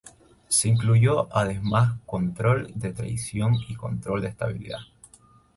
Se incluyó además control de tracción y control de estabilidad.